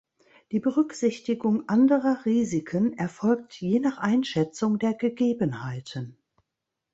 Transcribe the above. Die Berücksichtigung anderer Risiken erfolgt je nach Einschätzung der Gegebenheiten.